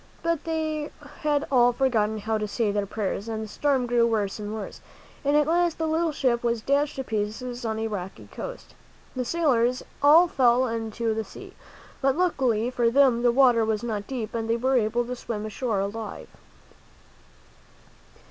But they had all forgotten how to say their prayers, and the storm grew worse and worse, and at last the little ship was dashed to pieces on a rocky coast. The sailors all fell into the sea, but luckily for them the water was not deep and they were able to swim ashore alive.